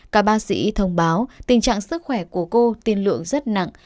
các bác sĩ thông báo tình trạng sức khỏe của cô tiên lượng rất nặng